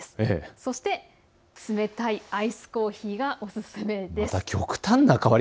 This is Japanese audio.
そして冷たいアイスコーヒーがおすすめです。